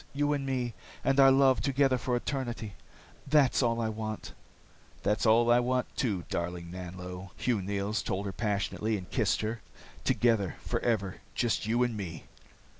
You and me, and our love, together for eternity. That's all I want." "That's all I want, too, darling Nanlo," Hugh Neils told her passionately, and kissed her. "Together, forever. Just you and me."